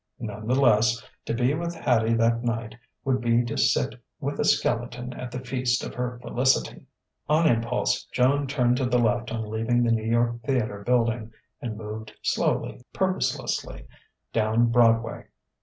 None the less, to be with Hattie that night would be to sit with a skeleton at the feast of her felicity.... On impulse Joan turned to the left on leaving the New York Theatre building, and moved slowly, purposelessly, down Broadway.